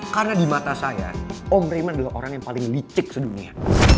karena di mata saya om raymond adalah orang yang paling licik sedunia